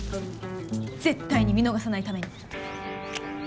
絶対に見逃さないために。